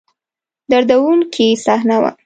دردوونکې صحنه وه.